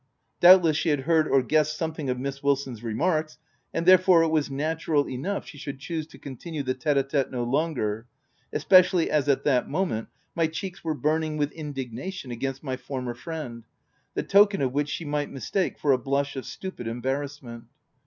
Doubtless she had heard or guessed something of Miss Wilson's remarks, and therefore, it was natural enough she should choose to con tinue the tete a tete no longer, especially as at that moment my cheeks were burning with in dignation against my former friend, the token of which she might mistake for a blush of stupid embarrassment.